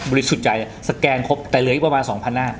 บริสุทธิ์ใจสแกนครบแต่เหลืออีกประมาณสองพันหน้า